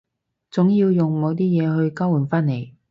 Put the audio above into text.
總要用某啲嘢去交換返嚟